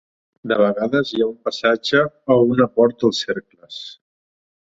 De vegades hi ha un passatge o una porta als cercles.